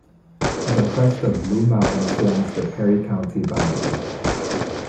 The crest of Blue Mountain forms the Perry County boundary.